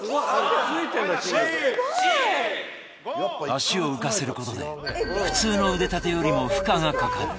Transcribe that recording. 足を浮かせることで普通の腕立てよりも負荷がかかる９２０！